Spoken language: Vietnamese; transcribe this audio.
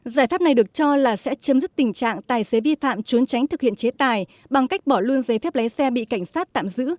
giải pháp này được cho là sẽ chấm dứt tình trạng tài xế vi phạm trốn tránh thực hiện chế tài bằng cách bỏ luôn giấy phép lái xe bị cảnh sát tạm giữ